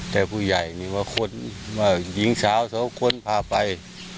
แต่ผู้ใหญ่นี่มาค้นว่าหญิงสาวสองคนพาไป